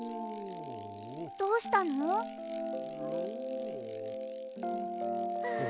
どうしたの？わ！